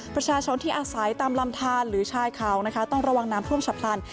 ประชาชนที่อาศัยตามลำทานหรือชายเขานะคะต้องระวังน้ำท่วมฉับพลัน